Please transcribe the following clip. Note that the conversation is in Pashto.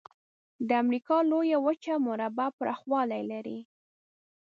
د امریکا لویه وچه مربع پرخوالي لري.